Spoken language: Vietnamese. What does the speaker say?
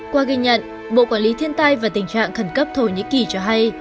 qua ghi nhận bộ quản lý thiên tai và tình trạng khẩn cấp thổ nhĩ kỳ cho hay